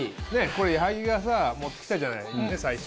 これ矢作が持って来たじゃない最初。